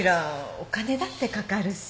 お金だってかかるし。